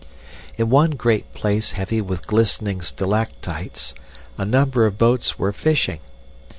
"In one great place heavy with glistening stalactites a number of boats were fishing.